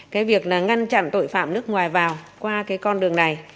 cái việc là ngăn chặn tội phạm nước ngoài vào qua cái con đường này